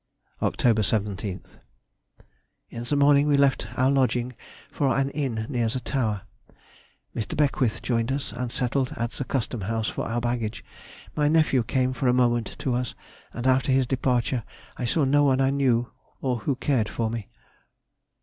Oct. 17th.—In the morning we left our lodging for an inn near the Tower. Mr. Beckwith joined us, and settled at the Custom House for our baggage. My nephew came for a moment to us, and after his departure I saw no one I knew or who cared for me.